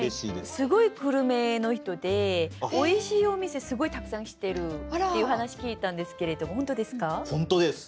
すごいグルメの人でおいしいお店すごいたくさん知ってるっていう話聞いたんですけれども本当ですか？